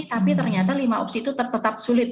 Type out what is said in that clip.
tapi ternyata lima opsi itu tetap sulit